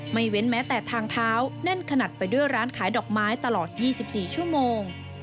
เว้นแม้แต่ทางเท้าแน่นขนาดไปด้วยร้านขายดอกไม้ตลอด๒๔ชั่วโมง